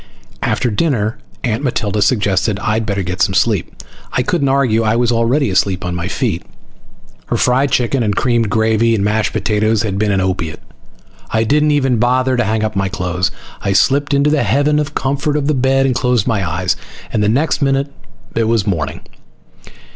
After dinner Aunt Matilda suggested I'd better get some sleep. I couldn't argue. I was already asleep on my feet. Her fried chicken and creamed gravy and mashed potatoes had been an opiate. I didn't even bother to hang up my clothes. I slipped into the heaven of comfort of the bed and closed my eyes. And the next minute it was morning.